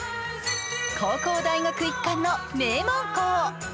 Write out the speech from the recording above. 高校・大学一貫の名門校。